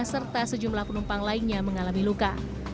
serta sejumlah penumpang lainnya mengalami luka